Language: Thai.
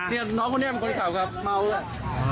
นี่น้องคนนี้เป็นคนขับครับเมาแล้ว